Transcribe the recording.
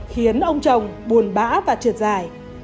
khiến ông chồng buồn bã và trượt dài